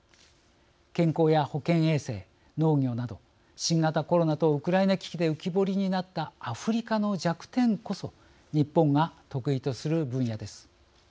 健康や保健衛生、農業など新型コロナとウクライナ危機で浮き彫りになったアフリカの弱点こそ日本が得意とする分野です。